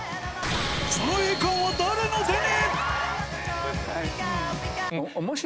その栄冠は誰の手に？